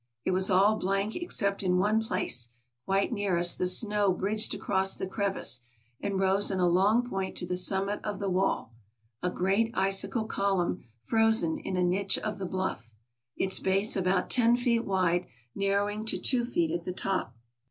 It was all blank ex cept in one place ; quite near us the snow bridged across the crevice, and rose in a long point to the summit of the wall — a great icicle column frozen in a niche of the bluff — its base about ten feet wide, narrowing to two feet at the top.